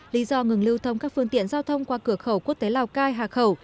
lý do ngừng lưu thông các phương tiện giao thông qua cửa khẩu quốc tế lào cai hà khẩu